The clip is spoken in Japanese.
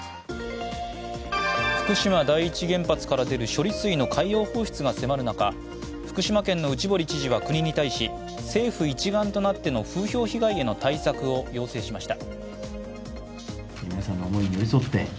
福島第一原発から出る処理水の海洋放出が迫る中福島県の内堀知事は国に対し政府一丸となっての風評被害への対策を要請しました。